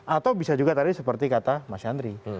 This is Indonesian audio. atau bisa juga tadi seperti kata mas yandri